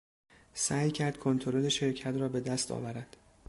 سعی کرد کنترل شرکت را به دست آورد.